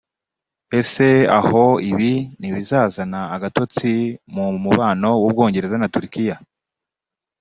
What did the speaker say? Ese aho ibi ntibizazana agatotsi mu mubano w’u Bwongereza na Turukiya